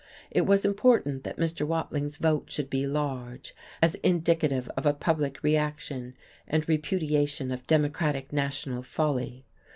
It was important that Mr. Watling's vote should be large, as indicative of a public reaction and repudiation of Democratic national folly.